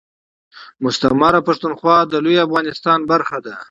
مستعمره پښتونخوا دي لوي افغانستان برخه ده